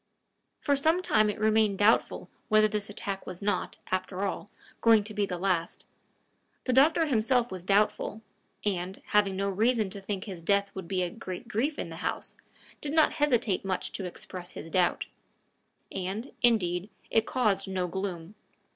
For some time it remained doubtful whether this attack was not, after all, going to be the last: the doctor himself was doubtful, and, having no reason to think his death would be a great grief in the house, did not hesitate much to express his doubt. And, indeed, it caused no gloom.